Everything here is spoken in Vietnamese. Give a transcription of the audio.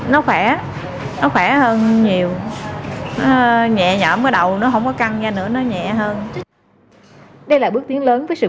nó khỏe nó khỏe hơn nhiều